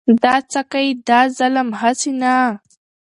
دا څه که يې دا ظالم هسې نه .